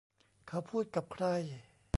เขาพูดกับใคร